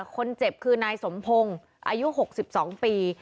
คนเจ็บคือนายสมพงศ์อายุ๖๒ปี